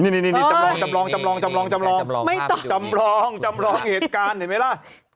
นี่จำลองจำลองเหตุการณ์เห็นไหมล่ะ